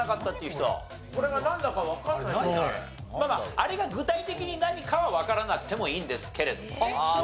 あれが具体的に何かはわからなくてもいいんですけれどもね。